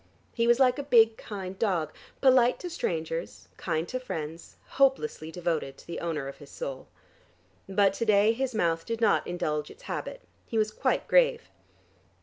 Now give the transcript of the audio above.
He was like a big, kind dog, polite to strangers, kind to friends, hopelessly devoted to the owner of his soul. But to day his mouth did not indulge its habit: he was quite grave.